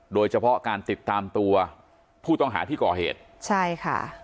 โดยเฉพาะการติดตามตัวผู้ต้องหาที่ก่อเหตุใช่ค่ะ